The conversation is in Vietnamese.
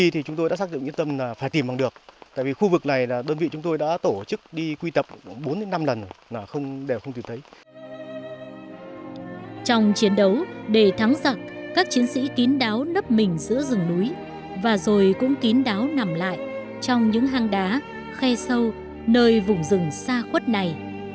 trong chiến đấu để thắng giặc các chiến sĩ kín đáo nấp mình giữa rừng núi và rồi cũng kín đáo nằm lại trong những hang đá khe sâu nơi vùng rừng xa khuất này